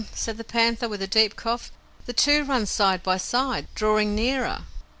said the Panther, with a deep cough. "The two run side by side, drawing nearer!"